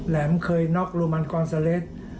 แหมเคยน็อกโรมันกอนซาเลส